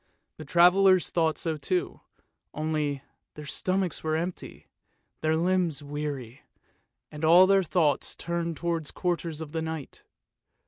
The travellers thought so too, only — their stomachs were empty, their limbs weary, and all their thoughts turned towards quarters for the night.